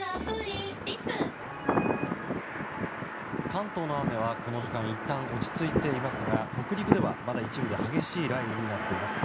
関東の雨は、この時間いったん落ち着いていますが北陸では、まだ一部で激しい雷雨になっています。